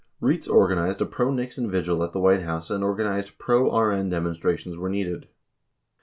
Rietz organized a pro Nixon vigil at the White House 45 and organized "pro RN demonstrations where needed."